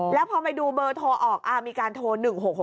แล้วพอไปดูเบอร์โทรออกมีการโทร๑๖๖